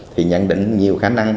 thì nhận định nhiều khả năng